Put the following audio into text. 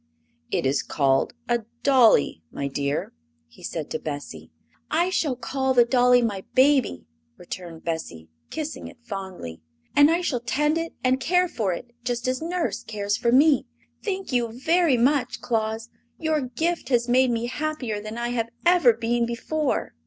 "It is called a dolly, my dear," he said to Bessie. "I shall call the dolly my baby," returned Bessie, kissing it fondly; "and I shall tend it and care for it just as Nurse cares for me. Thank you very much, Claus; your gift has made me happier than I have ever been before!"